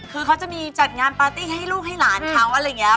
คือเขาจะมีจัดงานปาร์ตี้ให้ลูกให้หลานเขาอะไรอย่างนี้